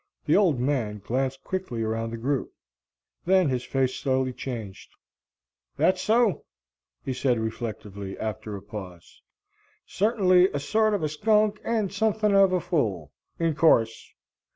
The Old Man glanced quickly around the group. Then his face slowly changed. "That's so," he said reflectively, after a pause, "certingly a sort of a skunk and suthin of a fool. In course."